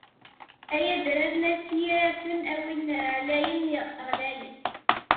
Ay adrar n at Yiraten, a win ɛlayen ɣlayen.